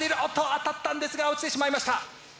当たったんですが落ちてしまいました。